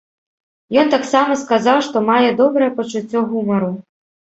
Ён таксама сказаў, што мае добрае пачуццё гумару.